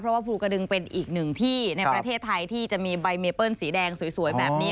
เพราะว่าภูกระดึงเป็นอีกหนึ่งที่ในประเทศไทยที่จะมีใบเมเปิ้ลสีแดงสวยแบบนี้